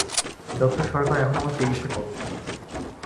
ডা সরকার এখন আমার চিকিৎসা করছেন।